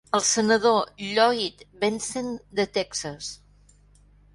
El senador Lloyd Bentsen de Texas.